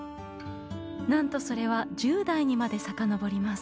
なんとそれは１０代にまで遡ります。